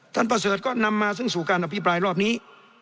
ประเสริฐก็นำมาซึ่งสู่การอภิปรายรอบนี้